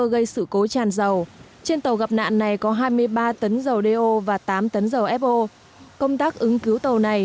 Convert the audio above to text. gây sự cố tràn dầu trên tàu gặp nạn này có hai mươi ba tấn dầu đeo và tám tấn dầu fo công tác ứng cứu tàu này